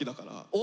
お！